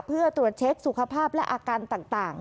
เพื่อตรวจเช็คสุขภาพและอาการต่าง